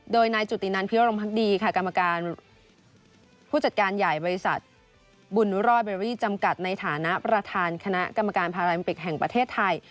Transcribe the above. โดยในจุดตีนั้นพิธีบริษัทบูลบราเบรี่จำกัดในฐานะประธานคณะกรรมการพาราบิมปิกแห่งประเทศไทย